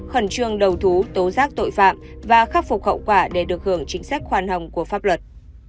khẩn trương đầu thú tố giác tội phạm và khắc phục hậu quả để được hưởng chính sách khoan hồng của pháp luật